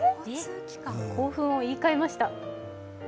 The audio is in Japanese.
興奮を言い換えました。